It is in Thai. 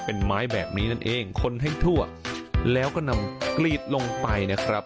เป็นไม้แบบนี้นั่นเองคนให้ทั่วแล้วก็นำกรีดลงไปนะครับ